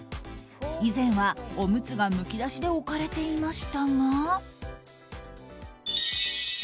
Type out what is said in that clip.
以前は、おむつがむき出しで置かれていましたが。